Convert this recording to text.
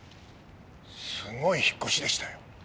すっごい引越しでしたよ。